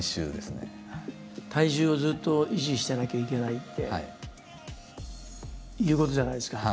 体重をずっと維持してなきゃいけないっていうことじゃないですか。